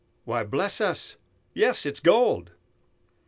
why, bless us, yes, it's gold!"